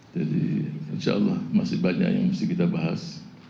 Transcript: jadi insyaallah masih banyak yang mesti kita bahas